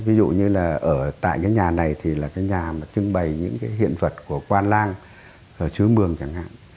ví dụ như là ở tại cái nhà này thì là cái nhà mà trưng bày những cái hiện vật của quan lang ở chứa mường chẳng hạn